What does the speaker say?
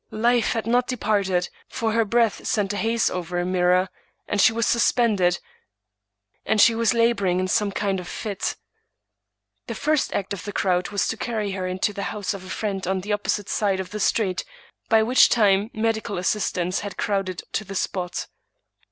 Life had not de parted, for her breath sent a haze over a mirror, but it was suspended, and she was laboring in some kind of fit. The first act of the crowd was to carry her into the house of a friend on the opposite side of the street, by which time medical assistance had crowded to the spot.